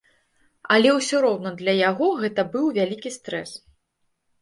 Але ўсё роўна для яго гэты быў вялікі стрэс.